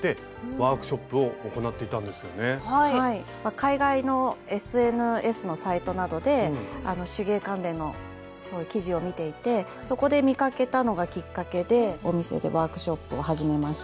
海外のＳＮＳのサイトなどで手芸関連のそういう記事を見ていてそこで見かけたのがきっかけでお店でワークショップを始めました。